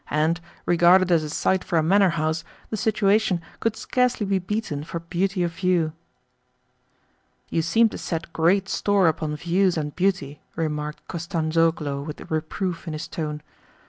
"And, regarded as a site for a manor house, the situation could scarcely be beaten for beauty of view." "You seem to get great store upon views and beauty," remarked Kostanzhoglo with reproof in his tone.